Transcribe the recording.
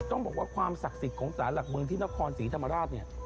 ต้องบอกว่าความศักดิ์สิทธิ์ของสารหลักเมืองที่นครศรีธรรมราชเนี่ย